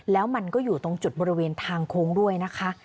แล้วมันก็อยู่ตรงจุดบริเวณทางโค้งด้วยนะคะ